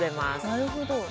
なるほど。